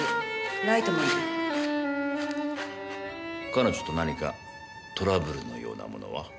彼女と何かトラブルのようなものは？